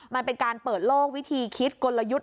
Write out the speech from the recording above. มันเป็นการเปิดโลกวิธีคิดกลยุทธ์